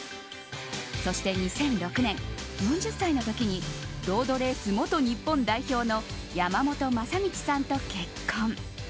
そして２００６年、４０歳の時にロードレース元日本代表の山本雅道さんと結婚。